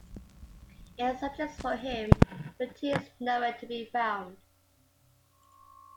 Ann searches for him, but he is nowhere to be found.